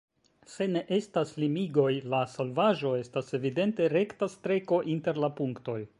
Se ne estas limigoj, la solvaĵo estas evidente rekta streko inter la punktoj.